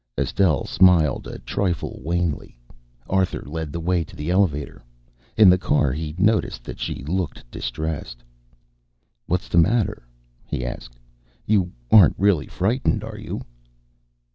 Estelle smiled, a trifle wanly. Arthur led the way to the elevator. In the car he noticed that she looked distressed. "What's the matter?" he asked. "You aren't really frightened, are you?"